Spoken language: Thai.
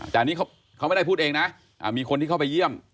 แต่อันนี้เขาไม่ได้พูดเองนะมีคนที่เข้าไปเยี่ยม